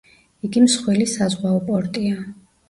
იგი მსხვილი საზღვაო პორტია.